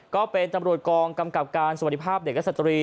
ก็เป็นตำรวจกองกำกับการสวัสดีภาพเด็กและสตรี